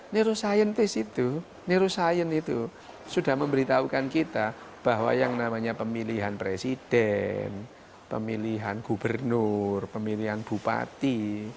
neuroscientist itu neuroscience itu sudah memberitahukan kita bahwa yang namanya pemilihan presiden pemilihan gubernur pemilihan bupati